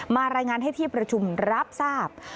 รายงานให้ที่ประชุมรับทราบ